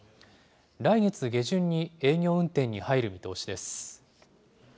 来月下旬に営業運転に入る見通しです。